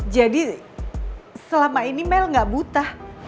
jadi selama ini mel gak buta